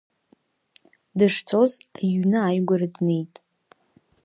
Дышцоз иҩны ааигәара днеит.